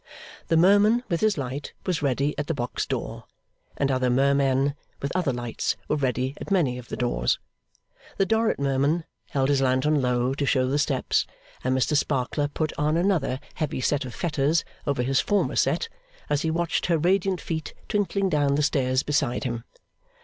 The Merman with his light was ready at the box door, and other Mermen with other lights were ready at many of the doors. The Dorrit Merman held his lantern low, to show the steps, and Mr Sparkler put on another heavy set of fetters over his former set, as he watched her radiant feet twinkling down the stairs beside him.